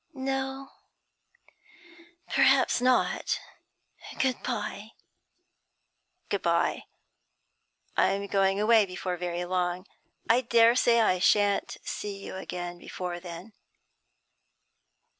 'No, perhaps not. Good bye.' 'Good bye. I'm going away before very long. I dare say I shan't see you again before then.'